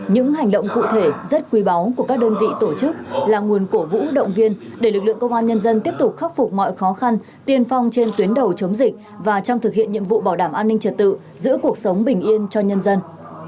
những hành động cụ thể rất quý báu của các đơn vị tổ chức là nguồn cổ vũ động viên để lực lượng công an nhân dân tiếp tục khắc phục mọi khó khăn tiên phong trên tuyến đầu chống dịch và trong thực hiện nhiệm vụ bảo đảm an ninh trật tự giữ cuộc sống bình yên cho nhân dân